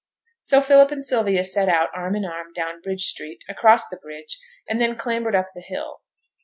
So Philip and Sylvia set out, arm in arm, down Bridge Street, across the bridge, and then clambered up the hill.